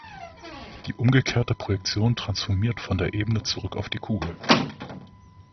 Die umgekehrte Projektion transformiert von der Ebene zurück auf die Kugel.